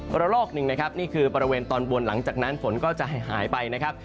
ละลอกหนึ่งนะครับนี่คือบริเวณตอนบนหลังจากนั้นฝนก็จะหายไปนะครับ